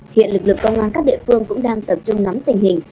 hiện lực lượng công an các địa phương cũng đang tập trung nắm tình hình